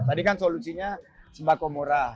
tadi kan solusinya sembako murah